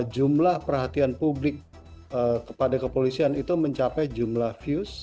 jumlah perhatian publik kepada kepolisian itu mencapai jumlah views